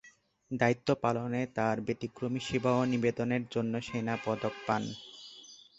দায়িত্ব পালনে তাঁর ব্যতিক্রমী সেবা ও নিবেদনের জন্য সেনা পদক পান।